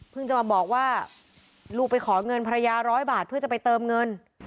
จะมาบอกว่าลูกไปขอเงินภรรยาร้อยบาทเพื่อจะไปเติมเงิน